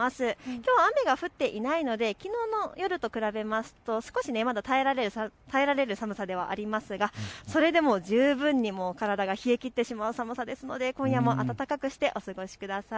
きょうは雨が降っていないのできのうの夜と比べますと少しまだ耐えられる寒さではありますが、それでも十分に体が冷え切ってしまう寒さですので今夜も暖かくしてお過ごしください。